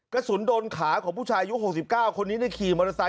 กระสุนโดนขาของผู้ชายอายุ๖๙คนนี้ได้ขี่มอเตอร์ไซค